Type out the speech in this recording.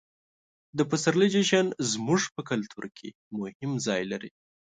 د پسرلي جشن زموږ په کلتور کې مهم ځای لري.